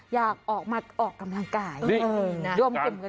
อยากออกมานรับสนุนถ๘๓โน้นอร่อยที่บางชีวิต